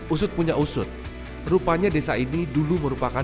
usut punya usut rupanya desa ini dulu merupakan